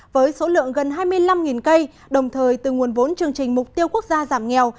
với số lượng gần hai mươi năm cây đồng thời từ nguồn vốn chương trình mục tiêu quốc gia giảm nghèo